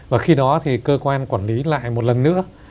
và khi đó thì cơ quan quản lý lại một lần nữa